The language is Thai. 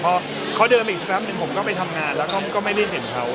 พอเขาเดินไปอีกสักแป๊บหนึ่งผมก็ไปทำงานแล้วก็ไม่ได้เห็นเขา